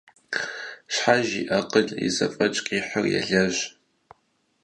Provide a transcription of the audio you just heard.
Щхьэж и акъыл, и зэфӀэкӀ къихьыр елэжь.